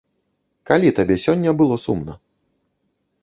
Калі табе сёння было сумна?